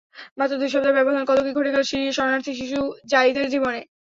মাত্র দুই সপ্তাহের ব্যবধানে কত-কী ঘটে গেল সিরীয় শরণার্থী শিশু যায়িদের জীবনে।